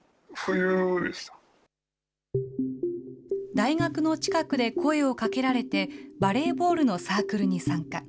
大学の近くで声をかけられて、バレーボールのサークルに参加。